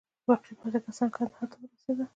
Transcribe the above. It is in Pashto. باقي پاته کسان یې کندهار ته ورسېدل.